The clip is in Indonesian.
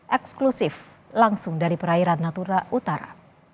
eksklusif langsung dari perairan natura utara